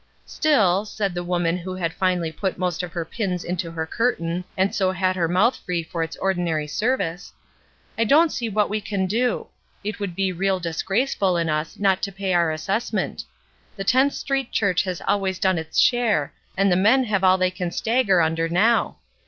"Still," said the woman who had finally put most of her pins into her curtain and so had 360 ESTER RIED'S NAMESAKE her mouth free for its ordinary service, "I don't see what we can do; it would be real disgraceful in us not to pay our assessment. The 10th Street Church has always done its share, and the men have all they can stagger under now.